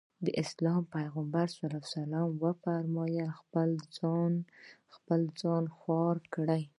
د اسلام پيغمبر ص وفرمايل خپل ځان خوار کړي.